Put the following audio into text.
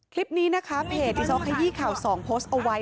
คลิปนี้นะคะเพจที่เขาขยี้ข่าวสองโพสต์เอาไว้